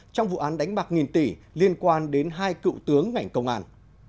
trong vụ án đánh bạc nghìn tỷ liên quan đến hai cựu tướng ngành công an